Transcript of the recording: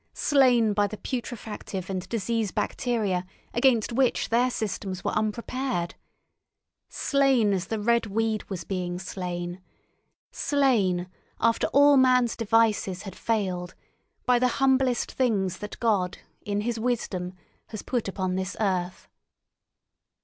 —slain by the putrefactive and disease bacteria against which their systems were unprepared; slain as the red weed was being slain; slain, after all man's devices had failed, by the humblest things that God, in his wisdom, has put upon this earth.